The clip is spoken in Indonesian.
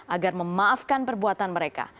agar memaafkan perbuatan mereka